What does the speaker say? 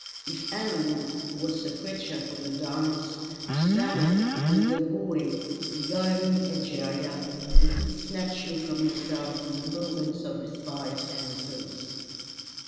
If Emmeline was the creature for the dance, Susannah was the wooing, beguiling Egeria, who could snatch you from yourself in the moments of respite and repose.